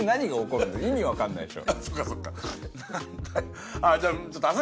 いや一番意味分かんないでしょ。